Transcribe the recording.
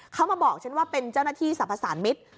เขามาบอกฉันว่าเป็นเจ้าหน้าที่สรรพสารมิตร